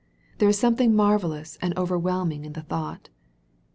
There is something mar vellous and overwhelming in the thought